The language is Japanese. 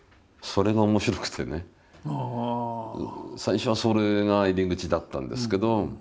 最初はそれが入り口だったんですけど。